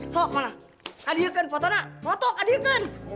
sok mana hadirkan foto anak foto hadirkan